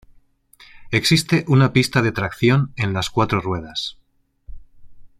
Existe una pista de tracción en las cuatro ruedas.